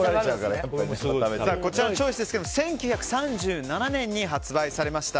こちらのチョイスは１９３７年に発売されました。